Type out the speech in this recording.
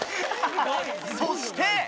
そして。